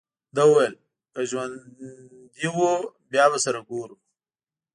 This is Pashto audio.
ده وویل: که ژوندي وو، بیا به سره ګورو.